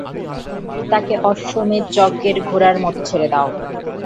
তাকে অশ্বমেধযজ্ঞের ঘোড়ার মতো ছেড়ে দাও, যে তাকে বাঁধবে তার সঙ্গে লড়াই করো।